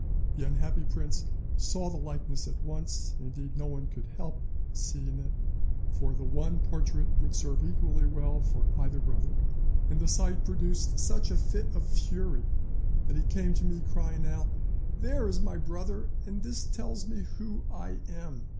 The unhappy prince saw the likeness at once, indeed no one could help seeing it, for the one portrait would serve equally well for either brother, and the sight produced such a fit of fury that he came to me crying out, "There is my brother, and this tells me who I am!"